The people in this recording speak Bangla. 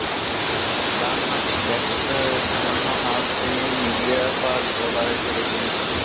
ডানহাতি ব্যাটসম্যান এবং ডান হাত মিডিয়াম ফাস্ট বোলার ছিলেন তিনি।